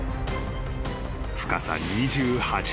［深さ２８ｍ］